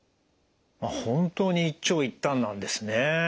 本当に一長一短なんですね。